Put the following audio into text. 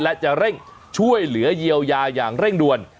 และจะเร่งช่วยเหลือเยียวยาอย่างเร่งด่วน